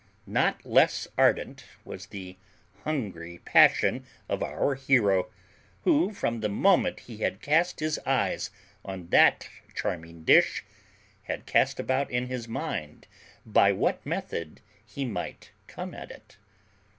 Not less ardent was the hungry passion of our hero, who, from the moment he had cast his eyes on that charming dish, had cast about in his mind by what method he might come at it.